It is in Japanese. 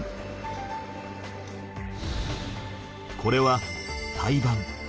これは胎盤。